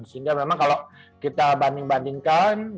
sehingga memang kalau kita banding bandingkan